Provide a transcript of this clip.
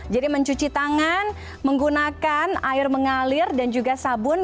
jadi mencuci tangan menggunakan air mengalir dan juga sabun